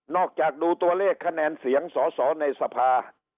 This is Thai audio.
จากดูตัวเลขคะแนนเสียงสอสอในสภา